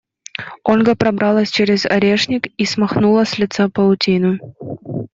Ольга пробралась через орешник и смахнула с лица паутину.